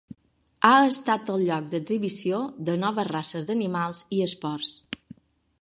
Ha estat el lloc d'exhibició de noves races d'animals i esports.